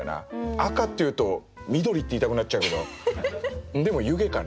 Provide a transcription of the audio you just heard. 赤っていうと緑って言いたくなっちゃうけどでも「湯気」かな。